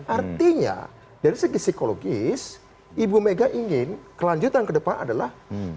artinya dari segi psikologis ibu mega ingin kelanjutan ke depan adalah